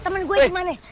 temen gue ke mana